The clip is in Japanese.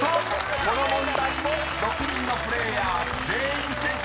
［この問題も６人のプレーヤー全員正解］